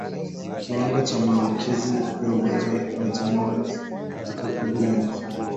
Kiwango cha maambukizi ya ugonjwa wa majimoyo katika kundi la mifugo